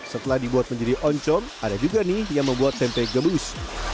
setelah dibuat menjadi oncom ada juga nih yang membuat tempe gembus